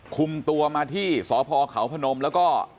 คุมตัวมาที่สพเขาพนมแล้วก็